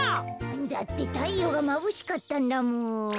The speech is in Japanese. だってたいようがまぶしかったんだもん。